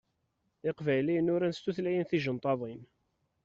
Iqbayliyen uran s tutlayin tijenṭaḍin.